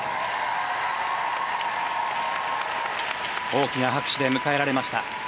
大きな拍手で迎えられました。